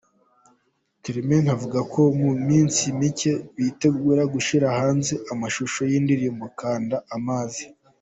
Clement avuga ko mu minsi mike bitegura gushyira hanze amashusho y’indirimbo Kanda Amazi.